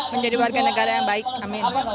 menjadi warga negara yang baik amin